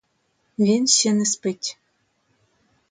Він ще не спить.